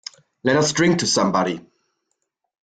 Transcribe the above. Let us drink to somebody.